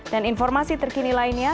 dan informasi terkini lainnya